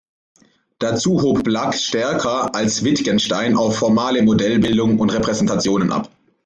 Dazu hob Black stärker als Wittgenstein auf formale Modellbildung und Repräsentation ab.